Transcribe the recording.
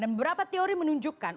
dan beberapa teori menunjukkan